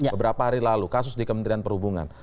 beberapa hari lalu kasus di kementerian perhubungan